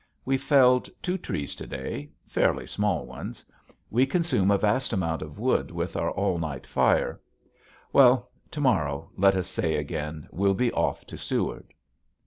We felled two trees to day fairly small ones. We consume a vast amount of wood with our all night fire. Well to morrow, let us say again, we'll be off to Seward.